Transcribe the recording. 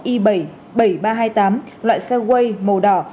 năm mươi một i bảy mươi bảy nghìn ba trăm hai mươi tám loại xe quay màu đỏ